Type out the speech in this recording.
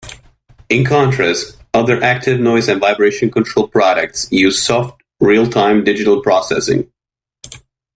In contrast, other active noise and vibration control products use soft real-time digital processing.